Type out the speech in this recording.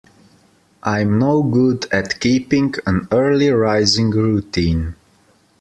I'm no good at keeping an early rising routine.